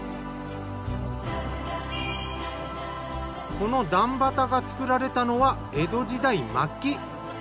この段畑が作られたのは江戸時代末期。